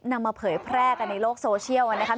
นำมาเผยแพร่กันในโลกโซเชียลนะครับ